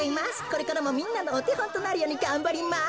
これからもみんなのおてほんとなるようにがんばります。